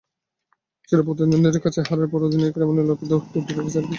চিরপ্রতিদ্বন্দ্বীদের কাছে হারের পরও অধিনায়কের এমন নির্লিপ্ততায় ক্ষুব্ধ পাকিস্তানের ক্রিকেট অঙ্গন।